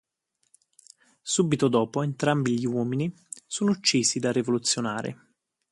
Subito dopo entrambi gli uomini sono uccisi dai rivoluzionari.